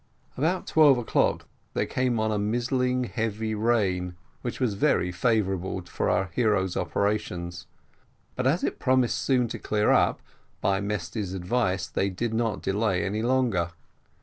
About twelve o'clock there came on a mizzling heavy rain, which was very favourable for our hero's operations. But as it promised soon to clear up, by Mesty's advice they did not delay any longer.